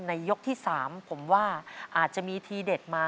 ยกที่๓ผมว่าอาจจะมีทีเด็ดมา